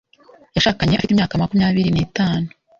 Yashakanye afite imyaka makumyabiri n'itanu.